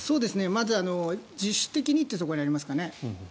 まず自主的にってそこにありますかね。